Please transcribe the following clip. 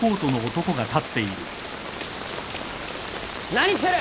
何してる！